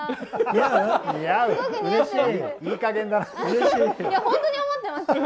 いいかげんだ。